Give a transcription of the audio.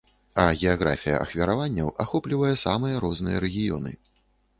А геаграфія ахвяраванняў ахоплівае самыя розныя рэгіёны.